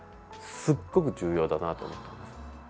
すごく重要だなと思ったんです。